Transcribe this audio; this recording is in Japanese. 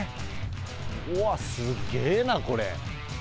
うわっ、すっげーな、これ。